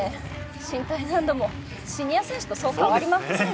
身体難度もシニア選手とそう変わりませんね。